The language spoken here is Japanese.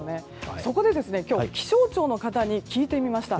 そこで、気象庁の方に聞いてみました。